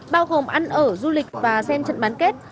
bao gồm ăn ở du lịch và xem trận bán kết